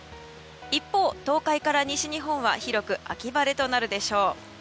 一方、東海から西日本は広く秋晴れとなるでしょう。